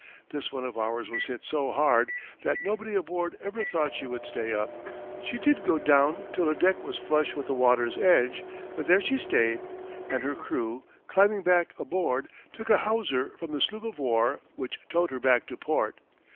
This one of ours was hit so hard that nobody aboard ever thought she would stay up. She did go down till her deck was flush with the water's edge, but there she stayed; and her crew, climbing back aboard, took a hawser from the sloop of war, which towed her back to port.